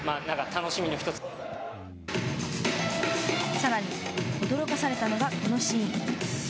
さらに、驚かされたのがこのシーン。